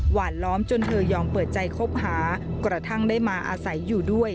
หวานล้อมจนเธอยอมเปิดใจคบหากระทั่งได้มาอาศัยอยู่ด้วย